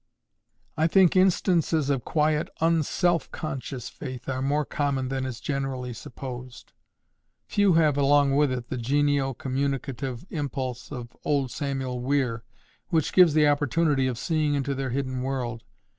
I think instances of quiet unSELFconscious faith are more common than is generally supposed. Few have along with it the genial communicative impulse of old Samuel Weir, which gives the opportunity of seeing into their hidden world.